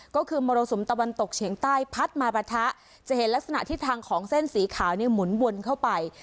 ก็คือมรสุมตะวันตกเฉียงใต้พัดมาปะทะจะเห็นลักษณะทิศทางของเส้นสีขาวเนี่ยหมุนวนเข้าไป